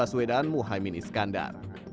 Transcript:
anies baswedan dan muhyemin iskandar